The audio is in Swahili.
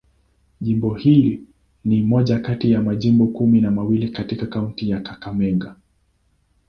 Jimbo hili ni moja kati ya majimbo kumi na mawili katika kaunti ya Kakamega.